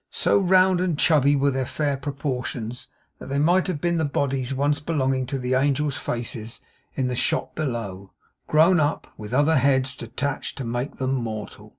So round and chubby were their fair proportions, that they might have been the bodies once belonging to the angels' faces in the shop below, grown up, with other heads attached to make them mortal.